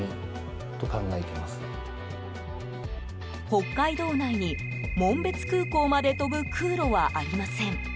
北海道内に、紋別空港まで飛ぶ空路はありません。